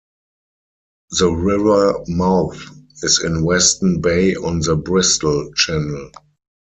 The river mouth is in Weston Bay on the Bristol Channel.